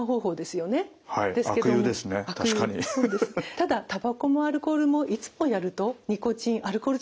ただたばこもアルコールもいつもやるとニコチンアルコール中毒になりますね。